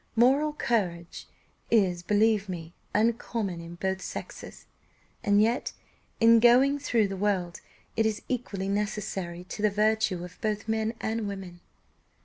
Moral courage is, believe me, uncommon in both sexes, and yet in going through the world it is equally necessary to the virtue of both men and women."